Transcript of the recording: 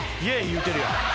言うてるやん。